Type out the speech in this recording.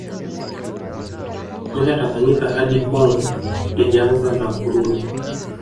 kwenda Tanganyika hadi Kongo ilianza na kurudi